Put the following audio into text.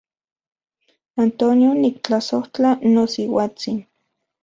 Antonio, niktlasojtla nosiuatsin.